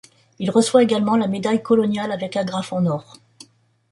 Il reçoit également la médaille coloniale avec agrafe en or.